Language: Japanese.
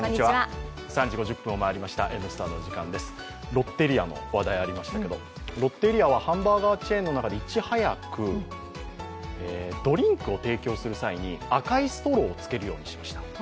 ロッテリアの話題ありましたけどロッテリアはハンバーガーチェーンの中でいち早くドリンクを提供する際に赤いストローをつけるようにしました。